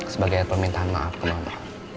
sebagai permintaan maaf ke mama